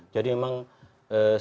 jadi memang sebenarnya tidak muda